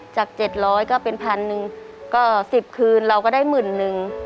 ๗๐๐ก็เป็นพันหนึ่งก็๑๐คืนเราก็ได้หมื่นนึง